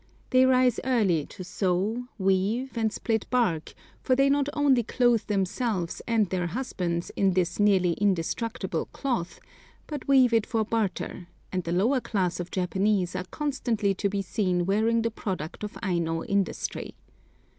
They rise early to sew, weave, and split bark, for they not only clothe themselves and their husbands in this nearly indestructible cloth, but weave it for barter, and the lower class of Japanese are constantly to be seen wearing the product of Aino industry.